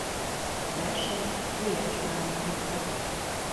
Verseit Gulyás Pálnál hagyta.